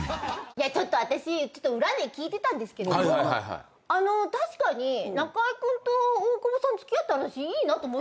ちょっと私裏で聞いてたんですけども確かに中居君と大久保さん付き合ったらいいなと思う。